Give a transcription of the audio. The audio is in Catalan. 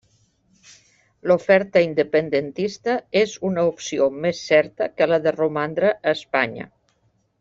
L'oferta independentista és una opció més certa que la de romandre a Espanya.